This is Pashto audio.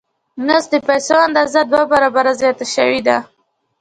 اوس د پیسو اندازه دوه برابره زیاته شوې ده